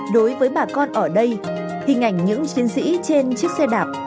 đối với bà con ở đây hình ảnh những chiến sĩ trên chiếc xe đạp